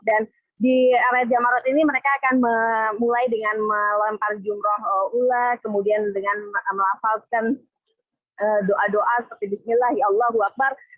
di area jamarot ini mereka akan mulai dengan melempar jumlah ula kemudian dengan melafazkan doa doa seperti bismillahirrahmanirrahim